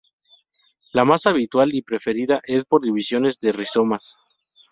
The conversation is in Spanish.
La más habitual y preferida es por división de rizomas.